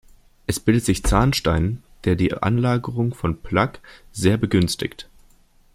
Es bildet sich Zahnstein, der die Anlagerung von Plaque sehr begünstigt.